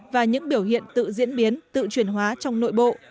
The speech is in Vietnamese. và những biểu hiện tự diễn biến tự truyền hóa trong nội bộ